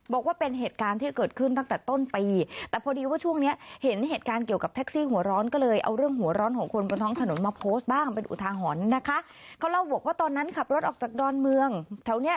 บอกว่าเป็นเหตุการณ์ที่เกิดขึ้นตั้งแต่ต้นปี